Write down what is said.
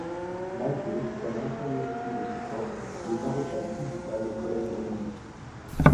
Malgré l'extrême infériorité de ses forces, le maréchal culbuta les colonnes ennemies.